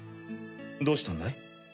どうしたんだい？